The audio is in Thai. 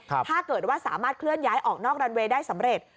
ถ้าเกิดว่าสามารถเคลื่อนย้ายออกนอกรันเวย์ได้สำเร็จ